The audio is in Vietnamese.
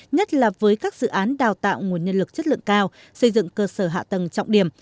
nhất là với các dự án đào tạo nguồn nhân lực chất lượng cao xây dựng cơ sở hạ tầng trọng điểm